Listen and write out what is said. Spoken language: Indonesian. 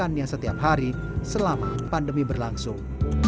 dan ini adalah keuntungannya setiap hari selama pandemi berlangsung